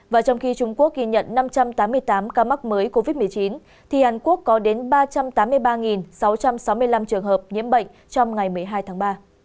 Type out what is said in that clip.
và trong khi trung quốc ghi nhận năm trăm tám mươi tám ca mắc mới covid một mươi chín thì hàn quốc có đến ba trăm tám mươi ba sáu trăm sáu mươi năm trường hợp nhiễm bệnh trong ngày một mươi hai tháng ba